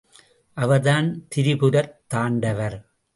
அவர்தான் திரிபுரத் தாண்டவர்.